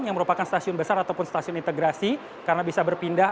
yang merupakan stasiun besar ataupun stasiun integrasi karena bisa berpindah